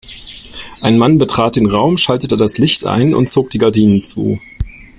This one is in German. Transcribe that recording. Ein Mann betrat den Raum, schaltete das Licht ein und zog die Gardinen zu.